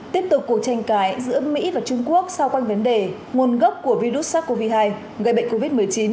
tiếp tục cuộc tranh cãi giữa mỹ và trung quốc xoa quanh vấn đề nguồn gốc của virus sars cov hai gây bệnh covid một mươi chín